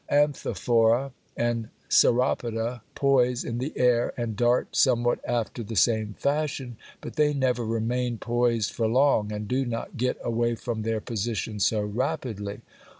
Anthophora and Saropoda poise in the air and dart somewhat after the same fashion, but they never remain poised for long, and do not get away from their position so rapidly.